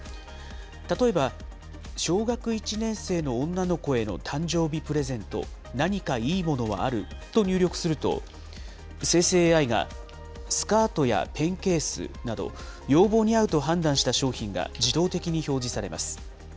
例えば、小学１年生の女の子への誕生日プレゼント何かいいものはある？と入力すると、生成ＡＩがスカートやペンケースなど、要望に合うと判断した商品が自動的に表示されます。